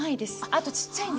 あとちっちゃいんですよ。